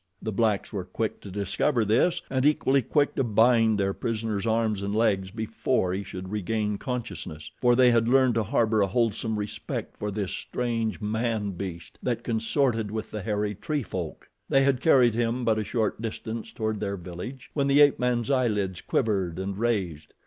The blacks were quick to discover this, and equally quick to bind their prisoner's arms and legs before he should regain consciousness, for they had learned to harbor a wholesome respect for this strange man beast that consorted with the hairy tree folk. They had carried him but a short distance toward their village when the ape man's eyelids quivered and raised.